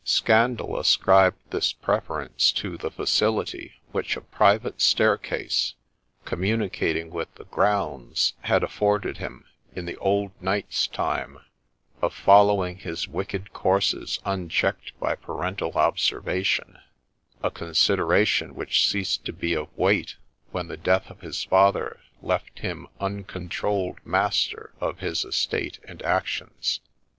Scandal ascribed this prefer ence to the facility which a private staircase, communicating with the grounds, had afforded him, in the old knight's time, of following his wicked courses unchecked by parental observa tion ; a consideration which ceased to be of weight when the death of his father left him uncontrolled master of his estate and actions.